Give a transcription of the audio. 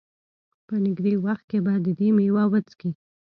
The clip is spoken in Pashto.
په نېږدې وخت کې به د دې مېوه وڅکي.